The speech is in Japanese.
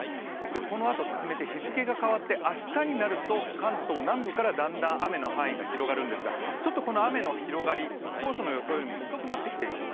このあと進めて日付が変わって明日になると関東南部から、だんだん雨の範囲が広がるんですが、ちょっとこの雨の広がり当初の予想よりも遅くなってきています。